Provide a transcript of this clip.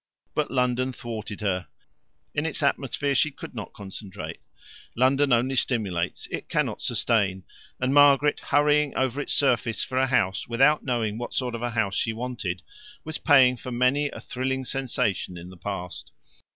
But London thwarted her; in its atmosphere she could not concentrate. London only stimulates, it cannot sustain; and Margaret, hurrying over its surface for a house without knowing what sort of a house she wanted, was paying for many a thrilling sensation in the past.